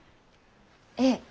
ええ。